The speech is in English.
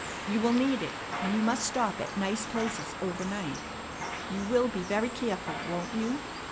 You will need it, and you must stop at nice places overnight. You will be very careful, won't you?